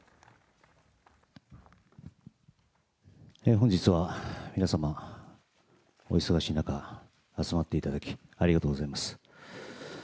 本日は皆様、お忙しい中、集まっていただきありがとうございます。